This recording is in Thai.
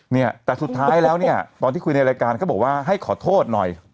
เนี่ยแต่สุดท้ายแล้วเนี่ยตอนที่คุยในรายการเขาบอกว่าให้ขอโทษหน่อย